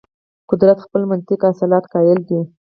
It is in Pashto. قدرت خپل منطق اصالت قایل دی.